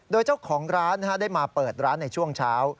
โดยเจ้าของร้านได้มาเปิดร้านในช่วงเช้า